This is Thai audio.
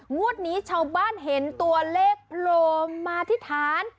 งวดนี้ชาวบ้านเห็นตัวเลขโผล่มาธิษฐาน